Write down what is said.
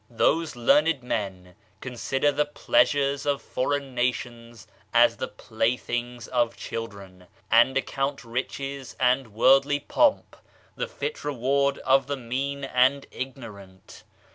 Those learned men consider the pleasures of foreign nations as the playthings of children, and account riches and worldly pomp the fit reward of the mean and ignorant.